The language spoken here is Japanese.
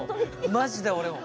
マジで俺も。